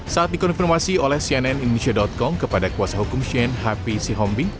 saat dikonfirmasi oleh cnn indonesia com kepada kuasa hukum shane hp si hombi